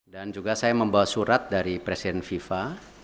dan juga saya membawa surat dari presiden viva